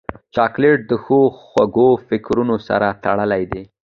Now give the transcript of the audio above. چاکلېټ د ښو خوږو فکرونو سره تړلی دی.